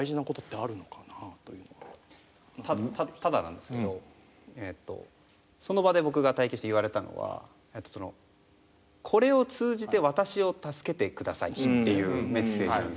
ただなんですけどその場で僕が体験して言われたのはっていうメッセージなんですよね。